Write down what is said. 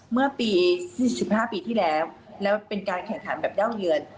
เมื่อปี๒๕ปีที่แล้วแล้วเป็นการแข่งขันแบบยั่งเยือน